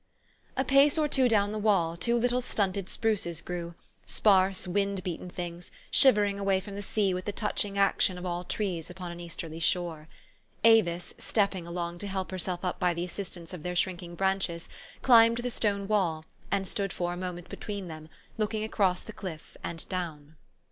A pace or two down the wall, two little stunted spruces grew, sparse, wind beaten things, shiver ing away from the sea with the touching action of all trees upon an easterly shore. Avis, stepping along to help herself up by the assistance of their shrink ing branches, climbed the stone wall, and stood for a moment between them, looking across the cliff, and down.